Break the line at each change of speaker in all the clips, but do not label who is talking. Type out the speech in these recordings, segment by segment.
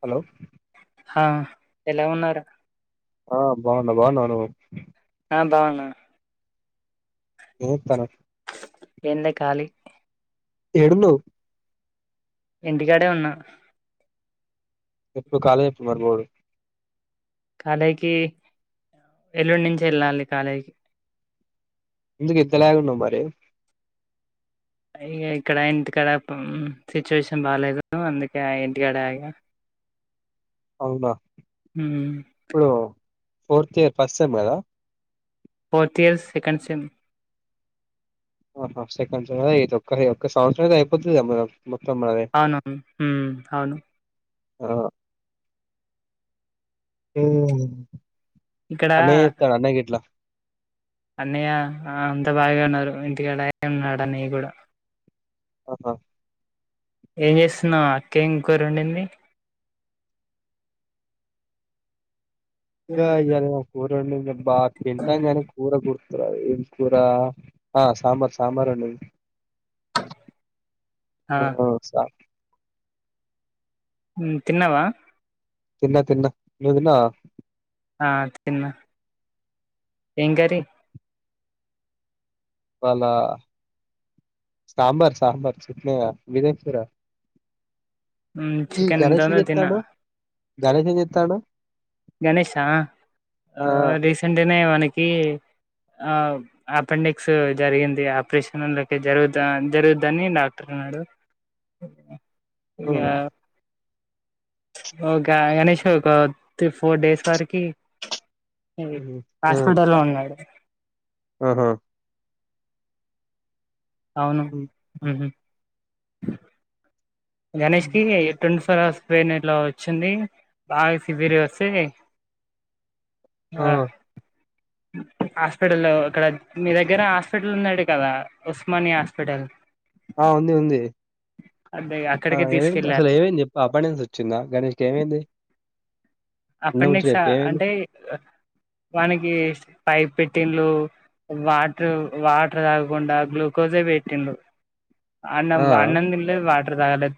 Hello హా ఎలా ఉన్నారు
ఆ బాగున్న బాగున్నావువ్వు
ఆ బాన
ఏం చేస్తన్నావ్
ఏం లే ఖాళీ
ఏడున్నావ్
ఇంటికాడే ఉన్నా
ఎప్పుడు కాలే చెప్పుడు మరి బోడు
కాలేకి ఎల్లుండి నుంచి వెళ్ళాలి కాలేకి
ఎందుకు ఇంతలేకున్నా మరి
ఇగ ఇక్కడ ఇంటికాడ ఉ సిచ్యువేషన్ బాలేదు అందుకే ఇంటికాడ ఇగా
అవునా
ఉ
ఇప్పుడు ఫోర్త్ ఇయర్ ఫస్ట్ సెమ్మేనా
ఫోర్త్ ఇయర్స్ సెకండ్ సిమ్
ఆహా సెకంద ఒ ఒక్క సంవత్సరం అయితే అయిపోతుదా మనం
అవునువును ఉ అవును
ఆ ఉ
ఇక్కడ
అన్న చేస్తాడు అన్న కేట్లా
అన్నయ్య ఆ అంత బాగాన్నారు ఇంటికాడ ఉన్నాడు అన్నయ్య కూడా
ఆఓహా
ఏం చేస్తున్నావ్ అక్కే ఏం కూర ఉండింది
ఇంకా ఇ్యద ఏమో కూరండిే బా తింటాం గాని కూర గుర్ తు రాదు ఏంకూర ఆ సాబార్ సాబార్ వండింది ఆ స
ఉ తిన్నావా
తిన్న తిన్న నువ్వు తిన్నావా
ఆ తిన్న ఏం కర్రీ
ఇవాళ సాంబార్ సాంబర్ చట్నేయా మీది ఏం కూర
హ్మ్.
ఈ
చికెన్ ఎంత
గణేష్
ఉందో తిన్నా
చేతాండు గణేష్ ఏం చేతండు
గణేషా ఆ రీసెంట్గానే వానికి ఆ అపెండిక్స్ జరిగింది ఆపరేషన్ లోకి జరుగు జరుగుద్దని డాక్టర్ వాడు ఆ ఒక కనీసం ఒక త్రీ, ఫోర్ డేస్ వరకు ఇది
ఆ
హాస్పిటల్ ఉన్నాడు.
ఆహా
అవును. హ్మ్ హు గణేష్ కి ట్వంటీ ఫోర్ హవర్స్ పెయిన్ ఇట్లా వచ్చింది బాగా సివియర్ గా వస్తే ఆ అ హాస్పిటల్ లో అక్కడ మీ దగ్గర హాస్పిటల్ ఉందట కదా ఉస్మానియా హాస్పిటల్
ఆ ఉంది ఉంది
అదే
ఆ
అక్కడికి
ఏమైంది
తీసుకెళ్ళారు
అసలు ఏమైంది చెప్ప అప్పడినించి వచ్చిందా గణేష్కి ఏమైంది? నిన్న
అప్పటి
ముచ్చట
నుంచా
చెప్పు ఏమైంది
అంటే వానకి పైప్ పెట్టిల్లు వాటర్ వాటర్ తాగకుండా గ్లూకోజే పెట్టిండ్రు అన్నం
ఆ
అన్నం తినలేదు వాటర్ తాగాలే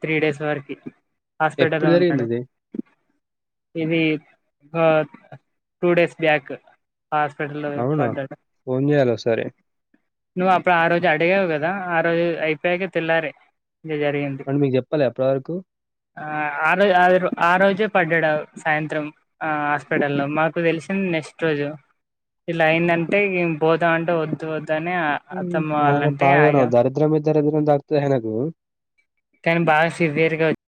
త్రీ డేస్ వరకు. హాస్పిటల్లో
ఎప్పుడు
లో
జరిగింది
ఉన్నాడు
ఇది
ఇది టూ డేస్ బ్యాక్ హాస్పిటల్లో
అవునా
పడ్డాడు.
ఫోన్ చేయాలి ఒకసారి
నువ్వు అప్పుడు ఆ రోజు అడిగావు కదా ఆ రోజు అయిపోయాక తెల్లారే ఇది జరిగింది
వాడు మీకు చెప్పలే అప్పటి వరకు
ఆ రోజే ఆ ఆ రోజే పడ్డాడు సాయంత్రం ఆ హాస్పిటల్ లో మాకు తెలిసింది నెక్స్ట్ రోజు. ఇలా అయిందంటే పోతాం అంటే వద్దు వద్దు అని అత్తమ్మ వాళ్లంటే ఆగాం
ఇద్దరు గురించి తెలుతాదా ఆయనకు
పెయిన్ బాగా సివేర్గా వచ్చింది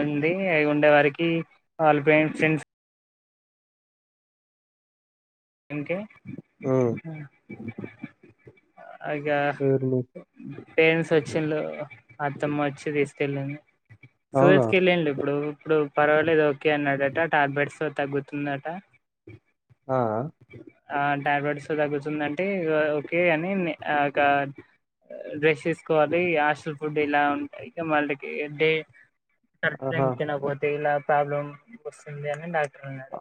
ఉండి అవి ఉండే వారికి వాళ ఫ్రెండ్స్ ఇంకే
ఆ
ఇగ
ఎవరిని
పేరెంట్స్ వచ్చిల్ అత్తమ్మ వచ్చి తీసుకెళ్ళింది.
అవునా
సూరజ్కిళ్ళిండి ఇప్పుడు ఇప్పుడు పర్వాలేదు ఓకే అన్నాడట, టాబ్లెట్స్ తగ్గుతుందట.
ఆ
ఆ టాబ్లెట్స్తో తగ్గుతుందింటే ఓకే అని రెస్ట్ తీసుకోవాలి హాస్టల్ ఫుడ్ ఇలా ఉంటాయి. ఇక మళ్ళకి డే కరెక్ట్ టైమ్
ఆహా
తినకపోతే ఇలా ప్రాబ్లం వస్తుంది అని డాక్టర్ అన్నాడు.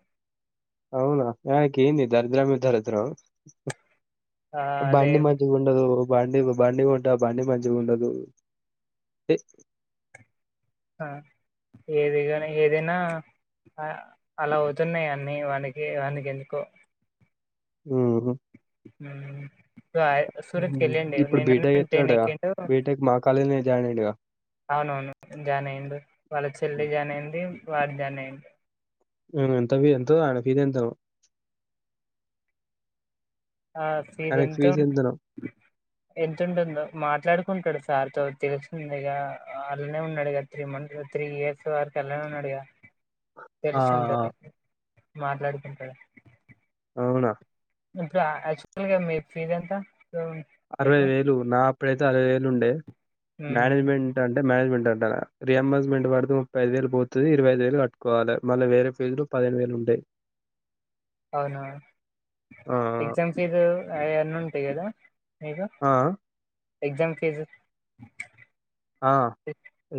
అవునా వానికి ఏం దరిద్రమే దరిద్రం
ఆ అదే
బండి మంచిగుండదు. బండికి బండి కొంటావు బండి మంచిగా ఉండదు. చీ
ఆ ఏదిగాని ఏదైనా అలా అవుతున్నాయి అన్నీ వానికి ఎందుకో
మ్ హూ
మ్ హు సూరత్కి
హ్మ్.
వెళ్ళండి
ఇప్పుడు
నిన్న
బీటెక్
నే ట్రైన్
జేత్తున్నాడుగా.
ఎక్కిండు
బీటెక్ మా కాలేజ్‌లోనే జాయిన్ అయ్యిండుగా.
అవునవును జాయిన్ అయ్యిండు వాళ్ళ చెల్లి జాయిన్ అయింది వాడు జాయిన్ అయ్యిండు.
మ్ ఎంత ఫీజు, ఆయన ఫీజు ఎంత నో
ఆ ఫీజు ఎంతో
ఫీజెంతనో?
ఎంత ఉంటుందో మాట్లాడు కుంటాడు సార్ తో తెలుస్తు తెలుస్తుంది గా అల్నే ఉన్నాడు త్రీ మంత్స్ త్రీ ఇయర్స్ వరకు అలానే ఉన్నాడు. య
ఆ!
తెలుసుంటే
ఆ!
మాట్లాడుకుంటాడు
అవునా
ఇప్పుడు యాక్చువల్గా మీ ఫీజు ఎంత
అరవై
మీకు
వేలు నా అప్పుడైతే అరవై వేలు ఉండే మేనేజ్మెంట్ అంటే మేనేజ్మెంట్ అ రింబర్స్మెంట్ పడితే ముప్పైఐదు వేలు పోతుది ఇరవైది వేలు కట్టుకోవాలి మళ్ళ వేరే ఫీజులు పదిహేను వేలు ఉంటాయి
అవునా
ఆ!
ఎగ్జామ్స్ ఫీజు అవన్నీ ఉంటాయి కదా మీకు
ఆ!
ఎగ్జామ్ ఫీజు
ఆ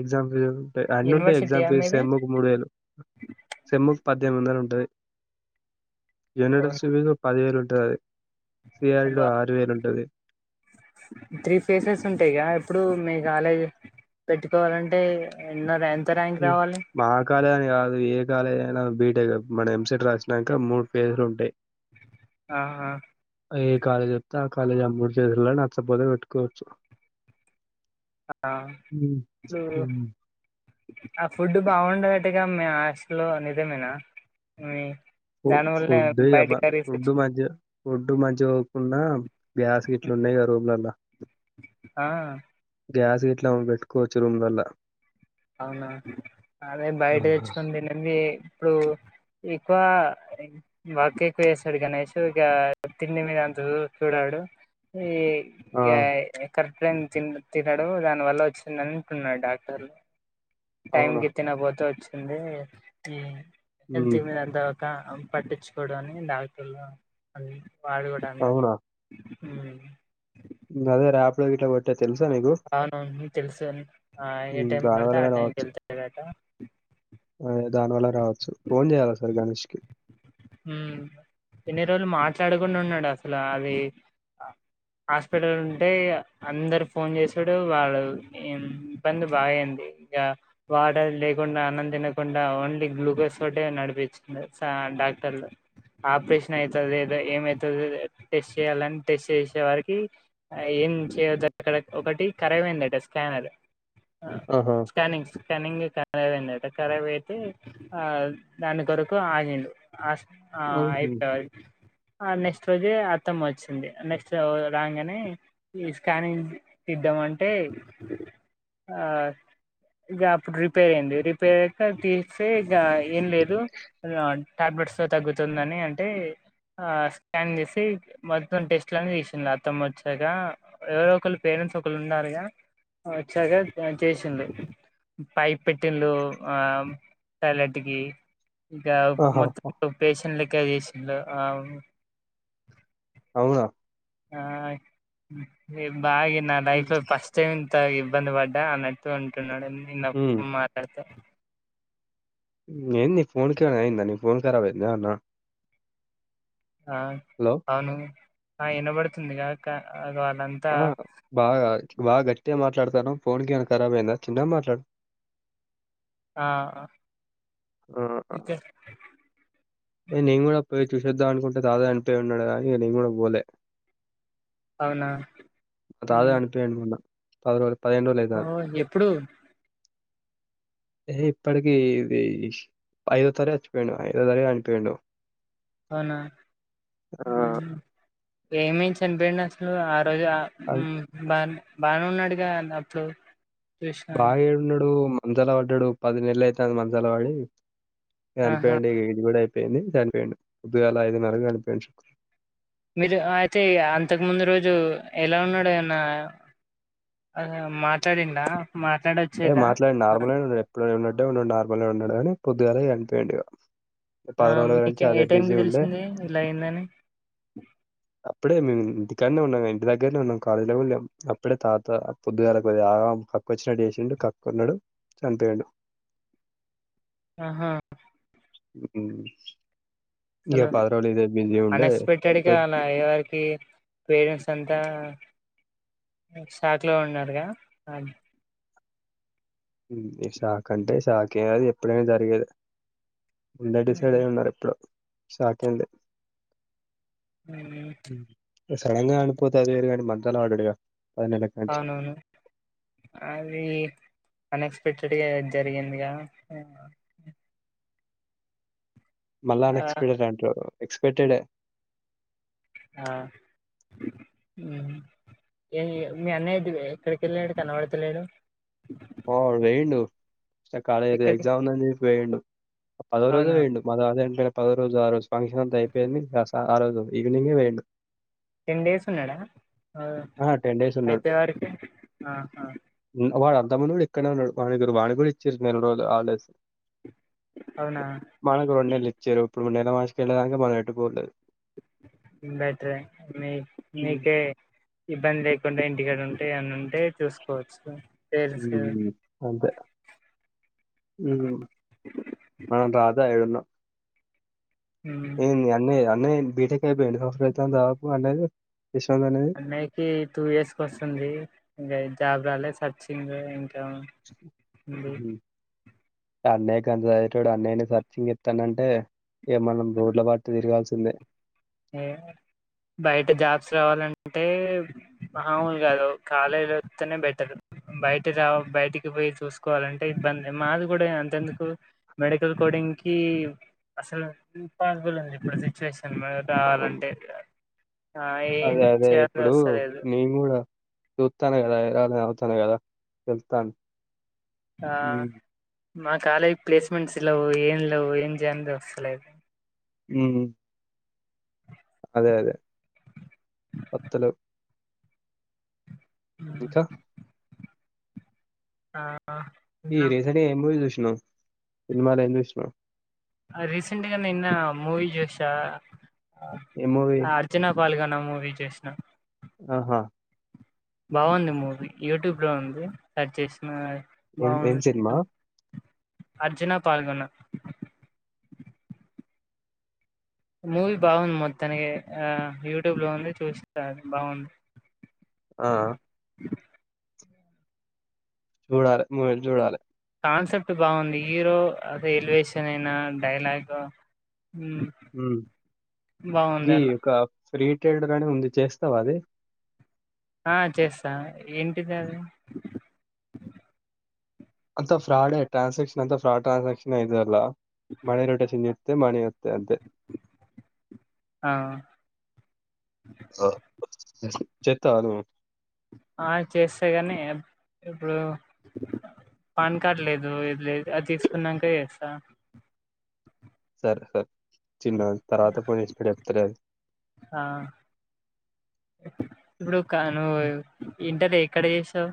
ఎగ్జాం ఫీజు ఉంటాయి అన్ని ఉంటాయి ఎగ్జామ్
యూనివర్సిటీయా
ఫీజు
మీది
సేమ్కు మూడు వేలు సెమ్ముక్ పద్దెనిమిది వందలు ఉంటుంది
అవును.
యూనిట్స్జ్ పదివేలు ఉంటయి
అబ్బా త్రీ ఫేసెస్ ఉంటాయిగా ఇప్పుడు మీ కాలేజ్ పెట్టుకోవాలంటే ఎన్నో ర్యాంక్ రావాలి
మ కాలేజ్ అని కాదు ఏ కాలేజ్ ఏద బీటెక్ మనం ఎంసెట్ రాసినాక మూడు ఫేజ్లు ఉంటాయి
ఆహా
ఏ కాలేజత్తా కాలేజ్ మూడు ఫేస్లు నచ్చపోతే పెట్టుకోవచ్చు
ఆ
ఉమ్,
ఊ
ఉమ్.
ఆ ఫుడ్ బాగుండదట్గా మీ హాస్టలో నిజమేనా మీ
ఫుడ్
దానివల్లనే బయట కర్రీస్
ఫుడ్
తెచ్చు
మధ్య ఫుడ్ మధ్య పోకుండా గ్యాస్ గిట్ల ఉన్నాయి కదా రూమ్లలల
ఆ
గ్యాస్ గిట్లా పెట్టుకోవచ్చు రూమ్ లల్ల
అవునా అదే బయట తెచ్చుకొని తినది ఇప్పుడు ఎక్కువ వర్క్ ఎక్కువ చేస్తాడు గణేష్ ఇక తిండి మీద అంత చూడ డు ఈ
ఆ
ఇ కరెక్ట్ టైమ్ కి తినడు దాని వల్ల వచ్చింది అంటున్నాడు డాక్టర్లు
అవునా
టైమ్కిి తినపోతే వచ్చింది
ఉమ్,
మీ దంత పట్టించుకోవడం అని డాక్టర్లు అ వాడు కూడా అన్నాడు
అవునా
హ్మ్మ్
అదే రాపిడో గిట్ల కొట్టే
అవునవును తెలుసు ఏ టైం
దాని
పడితే ఆ టైంకి వెళ్తాడట
దానివల్ల రావచ్చు ఫోన్ చేయ్యాలిఒక సారీ గణేష్కి
ఇన్ని రోజులు మాట్లాడకుండా ఉన్నాడు అసలు అది హాస్పిటల్ ఉంటే అందరు ఫోన్ చేసాడు వాళ్ళ ఇబ్బంది బాగాయంది ఇంగా వాటర్ లేకుండా అన్నం తినకుండా ఓన్లీ గ్లూకోస్ తోటే నడిపించుకున్నాడు చానా డాక్ట క్టర్లు ఆపరేషన్ అవుతుంది లేదో ఏమవుతుంది టెస్ట్ చేయాలని టెస్ట్ చేసే వారికి ఏం చెయ్యోదంట ఒకటి కఖబయిందంట స్కానర్
ఆహా
స్కానింగ్ స్కానింగే ఖరబైందంట ఖరాబైతే ఆ దాని కొరకు ఆగిండు ఆస్ ఆ
ఉహు.
ఐపోయే వరకు ఆ నెక్స్ట్ రోజే అత్తమ్మ వచ్చింది నెక్స్ట్ రాంగ్ అని ఈ స్కానింగ్ ఇద్ద మంటే ఆ ఇక అప్పుడు రిపేర్ అయింది రిపేర్క తీస్తే ఇక ఏం లేదు టాబ్లెట్స్ తో తగ్గుతుందని అంటే ఆ స్కాన్ చేసి మొత్తం టెస్ట్లని తీసింది అత్తమ్మ వచ్చాక ఎవరో ఒకళ్ళ పేరు ప్రెండ్స్ ఒకళ్ళు ఉన్నారుగా వచ్చాగా చేసింది పైప్ పెట్టిందో ఆ టాయిలెట్ కి ఇక
ఆహా
మొత్తం పేషంట్ లెక్క చేసింలో ఆ
అవునా
ఆ బాగా నా లైఫ్ లో ఫస్ట్ టైం ఇటా ఇబ్బంది పడ్డా అన్నట్టు ఉంటున్నాడు నిన్న
హ్మ్.
మాట్లాడితే
ఏన్ని ఫోన్ కెమన్నా అయిందా ని ఫోన్ కరాబ్ అయిందా అన్నా
ఆ అవును ఆ వినబడుతుందిగా క
ఆ బాగా బాగాచ్చ గట్టిగా మాట్లాడతాను ఫోన్ కెమన్నా కరాబ్ అయిందా చిన్నగా మాట్లాడు
ఆ
ఆ! ఆ!
ఇకా
ఏ నేను కూడా పోయి చూసొద్దాం అనుకుంటే తాతా చనిపోయి ఉన్నాడుగా అనీ నేను కూడా పోలే
అవునా
తాతా చనిపోయిండు మొన్న పది రోజులు రోజులు అయితాంది.
ఆఓ ఎప్పుడు
ఏ ఇప్పటికిీ ఇది ఐదో తారిక్ చచ్చిపోయిండు ఐదో తారిక్ చనిపోయిండు
అవునా
ఆ!
ఏమి అయి చనిపోయిండు అసలు ఆరు రోజు
అన్
బా బానే ఉన్నాడుగా అప్పుడు చూసినాను
బాగా ఏడున్నాడు మంచాల పడ్డాడు పది నెల అయితుంది మంచాల పడి
ఆహా
చనిపోయిండు ఏజ్ కూడా అయిపోయింది చనిపోయిండు పోదుగాల ఐదున్నరకు చనిపోయిండు శుక్ర
మీరు అయితే అంతకు ముందు రోజు ఎలా ఉన్నాడు ఏమన్న అవునా మాట్లాడిండా
యే
మాట్లాడొచ్చేదా
మాట్లాడిండు నార్మల్ గానే ఉన్నాడు ఎప్పుడు ఉన్నాటే ఉన్నాడు నార్మల్ గా ఉన్నాడు గాని పొద్దుగాలే చనిపోయిండు ఇక
ఆ మీకు ఏ టైంకి తెలిసింది ఇలా ఏందని
అప్పుడే మేము ఇంటి కాడనే ఉన్నాం ఇంటి దగ్గరనే ఉన్నాం కాలేజీ లో కుడ లేం అప్పుడే తాత పొద్దుగాలే ఆగా పక్కకు వచ్చినట్టు తిండు కక్కన్నాడు చనిపోయిండు
ఆహా
ఉమ్ ఇక పది రోజులు సరి
అన్ఎక్స్పెక్టెడ్గా అలా అయ్యే వరికి పేరెంట్స్ అంతా షాక్ లో ఉన్నారుగా అ
ఉమ్ షాక్ అంటే షాక్ ఏ అది ఎప్పుడైనా జరిగేదె అందరూ డిసైడ్ అయి ఉన్నారు ఎప్పుడో షాక్ ఏంది
ఉమ్,
సడన్ గా చనిపోతే అది వేరు కానీ మంచంలో పడాడుగా
అవునవును అది ఉనెక్సపెక్టెడ్ గా జరిగిందిగా
మళ్ళా అన్
ఆ
ఎక్స్పెక్టెడ్ అంటారు ఎక్స్పెక్టెడ్ ఏ
ఆ ఉమ్ మీ అన్నయ్య ఎక్కడికి వెళ్ళాడు కనబడటలేడు
ఆ వాడు పోయిండు కాలేజ్
ఎక్కడికి
ఎక్జామ్ ఉంది అని చెప్పి పోయిండు పదో రోజే
అవునా
పోయిండు మా తాత చనిపోయిన పదో రోజు ఆ రోజు ఫంక్షన్ అంతా అయిపోయింది ఆ రోజు ఈవినింగే పోయిండు
టెన్ డేస్ ఉన్నాడా అ
టెన్ డేస్ ఉన్నాడు
అయిపోయే వరకి ఆ
తమ్ముడు గుడ ఇక్కడనే ఉన్నడు, వాని దగ్గర వాని గుడ ఇచ్చిర్రు నెల రోజులు హాలిడేస్
అవునా
మనకు రెండు నెలలిచ్చిర్రు ఇప్పుడు నెల మాసిక ఎళ్ళేదాకా వాళ్ళు మనం ఎటు పోవుల్లేదు.
బెటరే మీ
ఉమ్,
మీకే ఇబ్బంది లేకుండా ఇంటికాడ ఉంటే అన్ అంటే చూసుకోవచ్చు
హ
పేరెంట్స్ కి
అంతే ఉమ్ మనం రాధా ఎడున్నా
మ్మ్
ఏంది అన్నయ అన్నయ్య బీటెక్ అయిపోయి ఎన్ని సంవత్సరలు అయితాంది దాదాపు అన్నయది?
అన్నయికి టూ ఇయర్స్ కి వస్తుంది, ఇంకా జాబ రాలే సర్చింగ్ ఇంక్ కా ఉంది
అన్నయ్యకంత చదివేటోడు అన్నయ్యని సర్చింగ్ చేత్తాడంటే, ఇగ మనం రోడ్ల బట్టు తిరగాల్సి సన్న
ఏంది బయట జాబ్స్ రావాలంటే మామూలు కాదు, కాలేజీ వస్తేనే బెటర్ బయట రావ బయటికి పోయి చూసుకోవాలంటే ఇబ్బంది, మాది కూడా అంతెందుకు మెడికల్ కో డింగ్ కి అసలు పాసిబుల్ ఉంది, ఇప్పుడు సిచ్యువేషన్ కావాలంటే
అదే అదే ఇప్పుడు నేను గుడా చూస్తన్న కదా ఎలాగ గదా వెళ్తాం
ఆ మా కాలేజ్ ప్లేస్మెంట్స్ లేవు ఏం లేవు ఏం జం వస్తలే
ఉమ్ అదే అదే వత్తలెవ్
ఉమ్,
ఇంక
ఆ
ఈ
ఇట్లా
రీసెంట్గా ఏం మూవీ చూసినవ్? సినిమాలు ఏం చూసినవ్
రీసెంట్ గా నిన్న మూవీ జూసా,
ఏ మూవీ?
అర్జునా పాల్గన్ నా మూవీ చూసిన
అహా
బాగుంది మూవీ, యూట్యూబ్ లో ఉంది. సెర్చ్ చేసిన
ఏం ఏం
బాగుంది
సినిమా?
అర్జునా పాల్గున మూవీ బాగుంది మొత్తానికి ఆ యూట్యూబ్ లో ఉంది చూస్తారు బాగుంది
ఆ జూడాలే మూవీలు చూడాలే
కాన్సెప్ట్ బాగుంది హీరో అదే ఎలివేషన్ అయినా డైలాగ్
మ్మ్
బాగుంది
ఈ
అలా
ఒక ఫ్రీ ట్రేడర్ అనే ఉంది చేస్తావా అది
ఆ చేస్తా ఏంటిది అది
అంత ఫ్రాడే ట్రాన్సాక్షన్ అంత ఫ్రాడ్ ట్రాన్సాక్షన్ ఇదా మ రోటె చె అ మణిస్తతే అంతే
ఆ
చెత్తవణువ్
ఆ చేస్తే కానీ ఇప్పుడు పాన్ కార్డ్ లేదు ఇది లేదు అది తీసుకున్నాక చేస్తా
సరే సరే చిన్న తర్వాత పోడ ఎప్తులేదు
ఆ ఇప్పుడు కా నువ్వు ఇంటర్ ఎక్కడ చేసావు